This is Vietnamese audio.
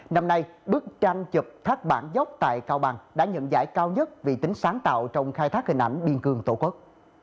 năm nay bức tranh chụp thác bản dốc tại cao bằng đã nhận giải cao nhất vì tính sáng tạo trong khai thác hình ảnh biên cường tổ quốc